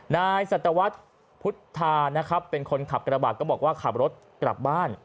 นายสัตวรรษพุทธานะครับเป็นคนขับกระบะก็บอกว่าขับรถกลับบ้าน